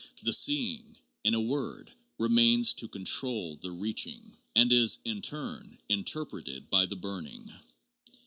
The seeing, in a word, remains to control the reaching, and is, in turn, inter preted by the burning.